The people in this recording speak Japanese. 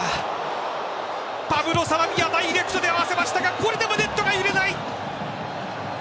パブロ・サラビアダイレクトで合わせましたがこれでもネットが揺れない。